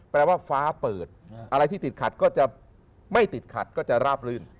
แปลว่าฟ้าเปิดอะไรที่ติดขัดก็จะไม่ติดขัดก็จะราบลื่น